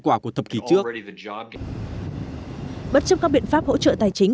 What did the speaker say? quả của thập kỷ trước bất chấp các biện pháp hỗ trợ tài chính